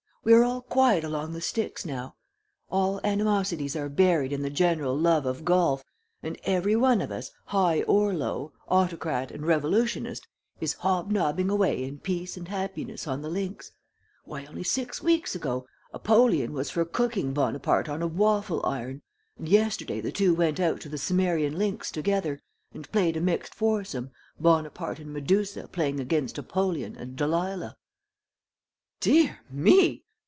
We are all quiet along the Styx now. All animosities are buried in the general love of golf, and every one of us, high or low, autocrat and revolutionist, is hobnobbing away in peace and happiness on the links. Why, only six weeks ago, Apollyon was for cooking Bonaparte on a waffle iron, and yesterday the two went out to the Cimmerian links together and played a mixed foursome, Bonaparte and Medusa playing against Apollyon and Delilah." "Dear me!